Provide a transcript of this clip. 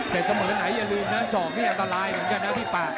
แต่เสมอไหนอย่าลืมนะศอกนี่อันตรายเหมือนกันนะพี่ป่า